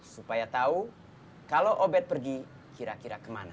supaya tahu kalau obed pergi kira kira kemana